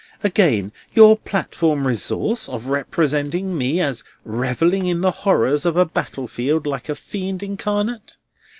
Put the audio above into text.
Again, your platform resource of representing me as revelling in the horrors of a battle field like a fiend incarnate!